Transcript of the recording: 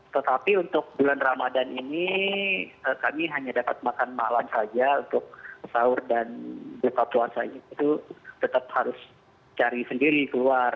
tetapi untuk bulan ramadan ini kami hanya dapat makan malam saja untuk sahur dan buka puasa itu tetap harus cari sendiri keluar